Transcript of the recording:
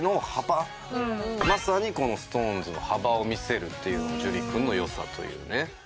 まさにＳｉｘＴＯＮＥＳの幅を見せるっていうのが樹君の良さというね。